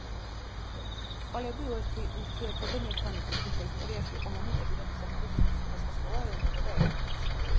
სკოლები ურთიერთობენ ერთმანეთთან, თუმცა ისტორიაში იყო მომენტები, როდესაც ბუდიზმის სხვადასხვა სკოლა ეომებოდა ერთმანეთს.